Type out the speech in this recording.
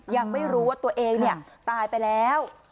ยังไม่รู้ว่าตัวเองตายไปแล้ว